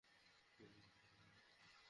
তুমি একজন প্যারামেডিক।